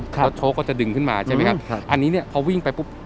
แล้วโชคก็จะดึงขึ้นมาใช่ไหมครับอันนี้เนี่ยพอวิ่งไปปุ๊บ